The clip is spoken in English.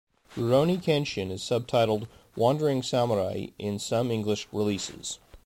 "Rurouni Kenshin" is subtitled "Wandering Samurai" in some English releases.